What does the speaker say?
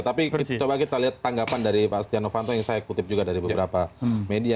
tapi coba kita lihat tanggapan dari pak setia novanto yang saya kutip juga dari beberapa media